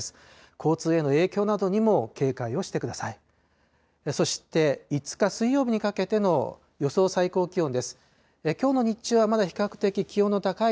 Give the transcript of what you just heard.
交通への影響などにも警戒をしてください。